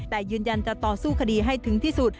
แต่ยืนยันจะต่อสู้คดีให้ถึงที่สุด